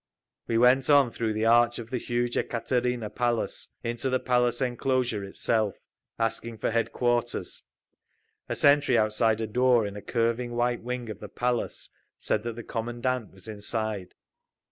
We went on through the arch of the huge Ekaterina Palace, into the Palace enclosure itself, asking for headquarters. A sentry outside a door in a curving white wing of the Palace said that the commandant was inside.